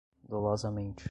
dolosamente